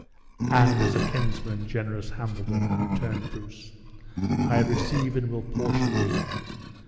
"And as a kinsman, generous Hambledon!" returned Bruce, "I receive and will portion thee.